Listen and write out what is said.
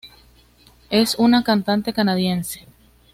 Es una cantante canadiense.